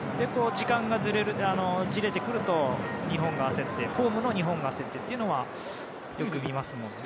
時間がじれてくるとホームの日本が焦ってというのはよく見ますもんね。